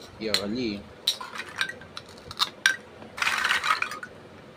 Yeɣli.